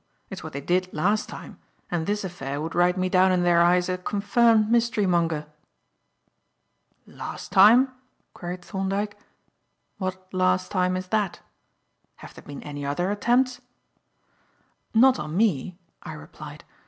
It's what they did last time, and this affair would write me down in their eyes a confirmed mystery monger." "Last time?" queried Thorndyke. "What last time is that? Have there been any other attempts?" "Not on me," I replied.